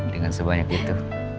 dengan sebanyak itu